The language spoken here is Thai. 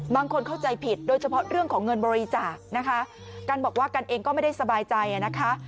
เข้าใจผิดโดยเฉพาะเรื่องของเงินบริจาคนะคะกันบอกว่ากันเองก็ไม่ได้สบายใจนะคะ